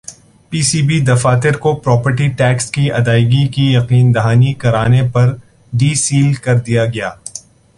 پی C B دفاتر کو property tax کی ادائیگی کی یقین دہانی کرانے پر ڈی سیل کر دیا گیا